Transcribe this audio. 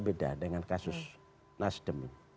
beda dengan kasus nasdem